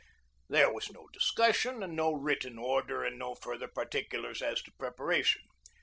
There was no discussion and no written order and no further particulars as to preparation.